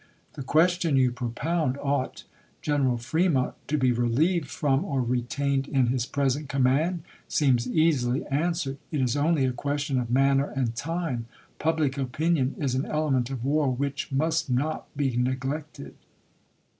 ... The question you propound, *' Ought General Fre mont to be relieved from or retained in his present command "?" seems easily answered. It is only a question Lincoln, of manner and time. Public opinion is an element of war ''^ Ms.^^^^" which must not be neglected.